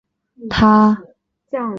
它可用于帮助从矿石中分离钼。